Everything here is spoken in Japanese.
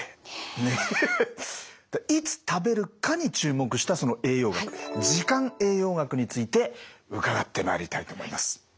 いつ食べるかに注目したその栄養学時間栄養学について伺ってまいりたいと思います。